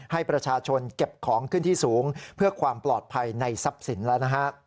ให้ประชาชนเก็บของขึ้นที่สูงเพื่อความปลอดภัยในทรัพย์สินแล้วนะฮะ